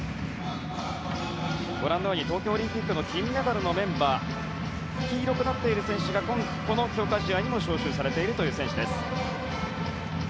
東京オリンピックの金メダルメンバーですが黄色くなっている選手がこの強化試合にも招集されている選手です。